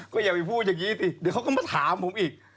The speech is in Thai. ก็อย่าไปพูดอย่างนี้สิเดี๋ยวเขาก็มาถามผมอีก